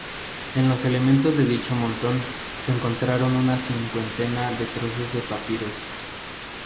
Ente los elementos de dicho montón se encontraron una cincuentena de trozos de papiros.